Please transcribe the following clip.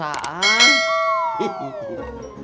apa aja gak ada pulsaan